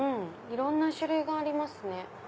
いろんな種類がありますね